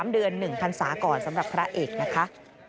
๓เดือน๑พันศาก่อนสำหรับพระเอกนะคะ